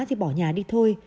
thì bỏ nhà đi thôi